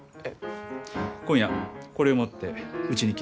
今夜これを持ってうちに来なさい。